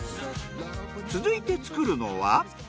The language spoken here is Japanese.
続いて作るのは。